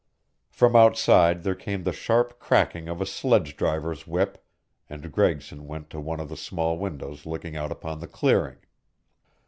From outside there came the sharp cracking of a sledge driver's whip and Gregson went to one of the small windows looking out upon the clearing.